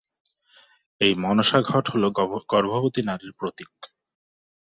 এই মনসা ঘট হলো গর্ভবতী নারীর প্রতীক।